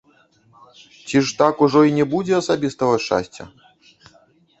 Ці ж так ужо й не будзе асабістага шчасця?